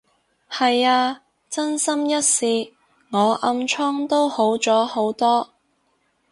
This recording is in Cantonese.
係啊，真心一試，我暗瘡都好咗好多